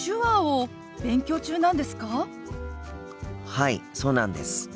はいそうなんです。